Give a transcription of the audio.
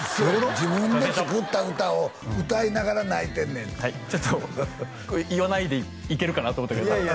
自分で作った歌を歌いながら泣いてんねんはいちょっと言わないでいけるかなと思ったけどいや